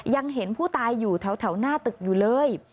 ยังเห็นผู้ตายอยู่แถวหน้าตึกอยู่เลย